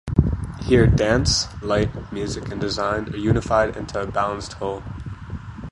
Here dance, light, music, and design are unified into a balanced whole.